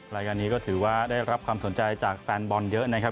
รายการนี้ก็ถือว่าได้รับความสนใจจากแฟนบอลเยอะนะครับ